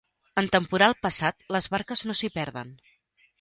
En temporal passat, les barques no s'hi perden.